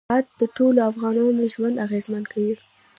زراعت د ټولو افغانانو ژوند اغېزمن کوي.